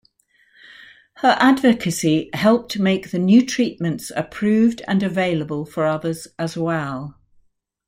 Her advocacy helped make the new treatments approved and available for others as well.